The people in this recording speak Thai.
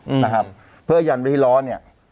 อืมนะครับเพื่อยันไว้ให้ล้อเนี้ย